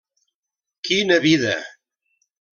Quina vida!